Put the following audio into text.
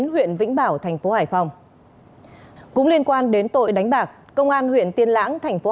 hãy đăng ký kênh để ủng hộ kênh của chúng mình nhé